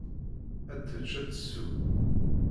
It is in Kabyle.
Ad tečč, ad tsew.